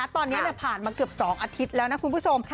ตอนนี้ผ่านมาเกือบ๒อาทิตย์แล้วนะคุณผู้ชม